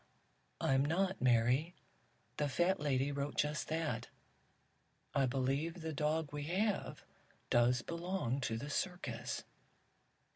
"I'm not, Mary. The fat lady wrote just that. I believe the dog we have does belong to the circus."